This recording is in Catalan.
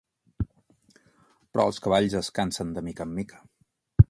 Però els cavalls es cansen de mica en mica.